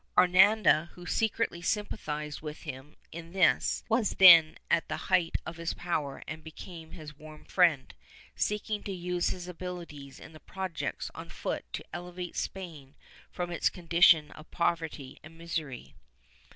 Aranda, who secretly sympathized with him in this, was then at the height of his power and became his warm friend, seelving to use his abihties in the projects on foot to elevate Spain from its condition of poverty and misery.